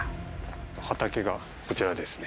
畑がこちらですね。